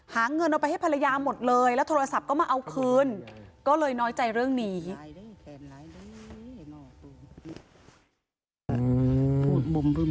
หาเงินเอาไปให้ภรรยาหมดเลยแล้วโทรศัพท์ก็มาเอาคืน